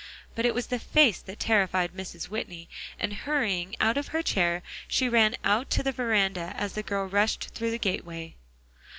But it was the face that terrified Mrs. Whitney, and hurrying out of her chair, she ran out to the veranda as the girl rushed through the gateway.